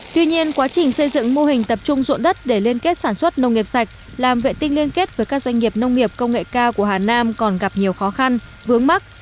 tuy nhiên quá trình xây dựng mô hình tập trung dụng đất để liên kết sản xuất nông nghiệp sạch làm vệ tinh liên kết với các doanh nghiệp nông nghiệp công nghệ cao của hà nam còn gặp nhiều khó khăn vướng mắt